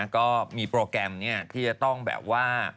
ก็มีโปรแกรมที่จะต้องแบบว่า